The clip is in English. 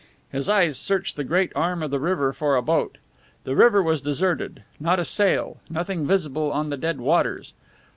His eyes searched the great arm of the river for a boat. The river was deserted. Not a sail, nothing visible on the dead waters!